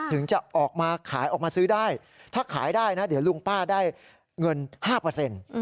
ถึงจะออกมาขายออกมาซื้อได้ถ้าขายได้นะเดี๋ยวลุงป้าได้เงิน๕เปอร์เซ็นต์